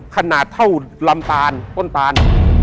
ขนาดเท่าลำตาลต้นตาล